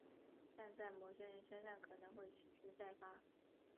但在某些人身上可能会持续再发。